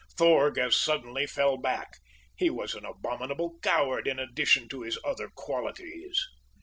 Thorg as suddenly fell back. He was an abominable coward in addition to his other qualities.